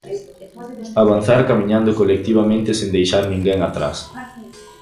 Avanzar camiñando colectivamente sen deixar ninguén atrás.